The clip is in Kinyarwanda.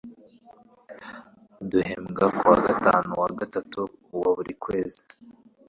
Duhembwa kuwa gatanu wa gatatu wa buri kwezi.